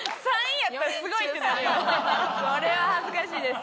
これは恥ずかしいです。